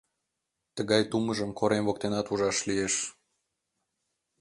Тыгай тумышым корем воктенат ужаш лиеш.